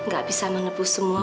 gak bisa menepu semua